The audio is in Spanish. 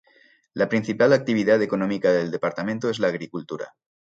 La principal actividad económica del departamento es la agricultura.